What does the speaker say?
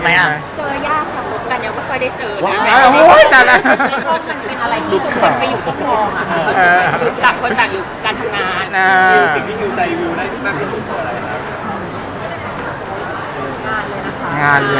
ไม่มีอะไรคือจะเรียกว่ามันเป็นการตัดสินใจของวิว